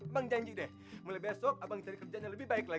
emang janji deh mulai besok abang cari kerjaan yang lebih baik lagi